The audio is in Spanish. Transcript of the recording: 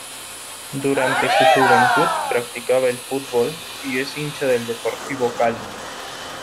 Durante su juventud practicaba el fútbol y es hincha del Deportivo Cali.